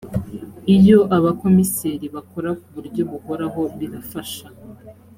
iyo abakomiseri bakora ku buryo buhoraho birafasha